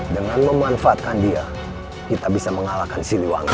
dengan memanfaatkan dia kita bisa mengalahkan siliwangi